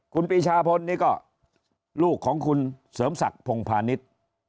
คุณปีชาพลนี่ก็ลูกของคุณเสริมศักดิ์พงพาณิชย์